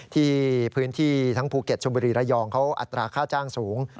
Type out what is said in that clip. ที่พื้นที่ทั้งภูเก็ตชมบุรีระยองเขาอัตราค่าจ้างสูง